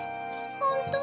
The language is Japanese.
ホント？